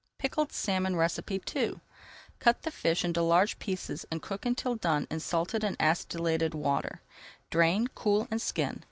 PICKLED SALMON II Cut the fish into large pieces and cook until done in salted and acidulated water. Drain, cool, and skin.